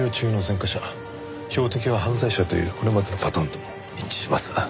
標的は犯罪者というこれまでのパターンとも一致します。